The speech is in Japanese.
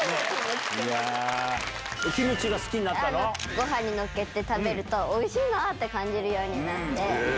ご飯にのっけて食べるとおいしいって感じるようになって。